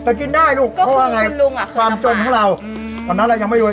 แต่กินได้ลูกเพราะว่าไงความจมของเราอืมวันนั้นเรายังไม่รู้